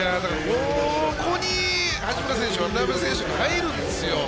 ここに八村選手渡邊選手が入るんですよ。